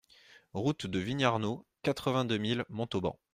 Route de Vignarnaud, quatre-vingt-deux mille Montauban